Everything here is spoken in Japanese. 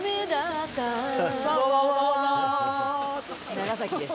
長崎です。